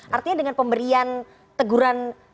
artinya dengan pemberian teguran